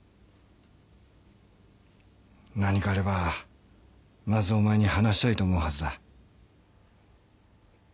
何かあればまずお前に話したいと思うはずだ。